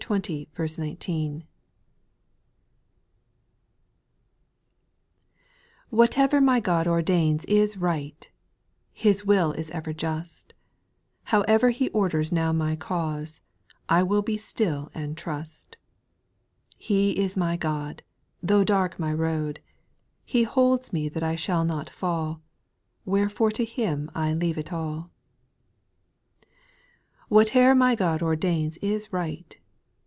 TTTHATE'ER my God ordains is right I T T His will is ever just ; Howe'er He orders now my cause, I will be still and trust. He is my God, Though dark my road ; He holds me that I shall not fall. Wherefore to Him T leave it all. 2 Whatever my God ordains is right